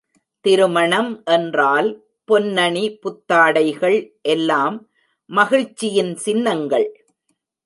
திருமணம் என்றால் பொன்னணி புத்தாடைகள் எல்லாம் மகிழ்ச்சியின் சின்னங்கள்!